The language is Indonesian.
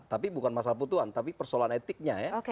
masalah keputusan tapi persoalan etiknya ya